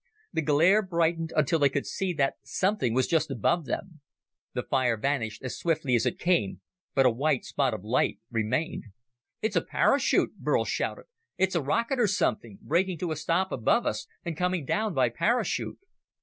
The glare brightened until they could see that something was just above them. The fire vanished as swiftly as it came, but a white spot of light remained. "It's a parachute!" Burl shouted. "It's a rocket or something, braking to a stop above us, and coming down by parachute!"